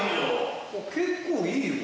結構いいよ。